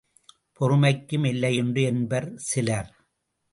பொறுமைக்கும் எல்லையுண்டு என்பர் சிலர்!